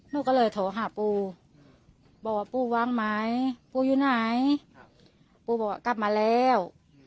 หนูก็เลยโทรหาปูบอกว่าปูวางไหมปูอยู่ไหนปูบอกว่ากลับมาแล้ว